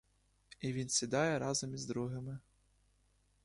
І він сідає разом із другими.